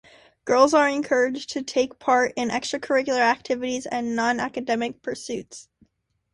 Girls are encouraged to take part in extracurricular activities and non-academic pursuits.